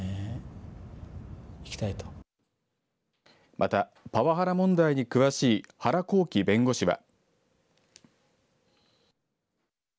またパワハラ問題に詳しい原幸生弁護士は。